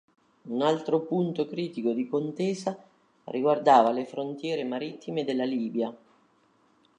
Un altro punto critico di contesa riguardava le frontiere marittime della Libia.